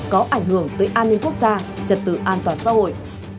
có ảnh hưởng tới an ninh quốc gia trật tự an toàn xã hội